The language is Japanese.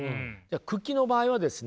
九鬼の場合はですね